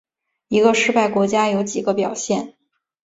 一个失败国家有几个表现。